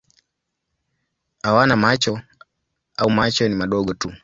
Hawana macho au macho ni madogo tu.